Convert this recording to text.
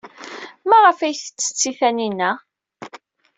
Maɣef ay t-tetti Taninna?